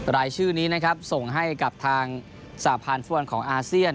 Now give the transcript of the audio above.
รายชื่อนี้นะครับส่งให้กับทางสาพันธ์ฟุตบอลของอาเซียน